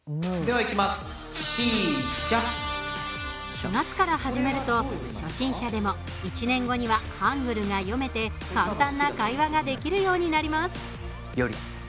４月から始めると、初心者でも１年後にはハングルが読めて簡単な会話ができるようになります。